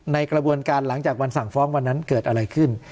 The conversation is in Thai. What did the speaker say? ในกระบวนการหลังจากวันสั่งฟ้องวันนั้นเกิดอะไรขึ้น